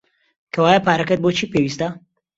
کەوایە پارەکەت بۆ چی پێویستە؟